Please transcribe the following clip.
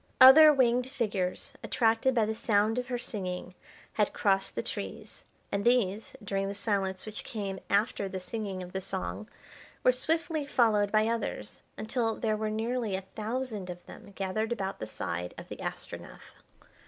Other winged figures, attracted by the sound of her singing, had crossed the trees, and these, during the silence which came after the singing of the song, were swiftly followed by others, until there were nearly a thousand of them gathered about the side of the Astronef.